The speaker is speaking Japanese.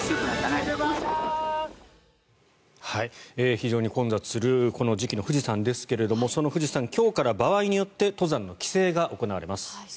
非常に混雑するこの時期の富士山ですがその富士山今日から場合によって登山の規制が行われます。